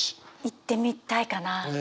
行ってみたいかな。